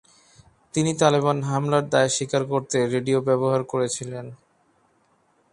তিনি তালেবান হামলার দায় স্বীকার করতে রেডিও ব্যবহার করেছিলেন।